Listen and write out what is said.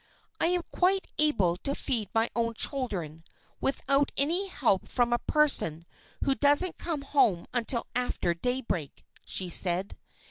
"I am quite able to feed my own children without any help from a person who doesn't come home until after daybreak," she said.